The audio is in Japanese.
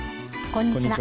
こんにちは。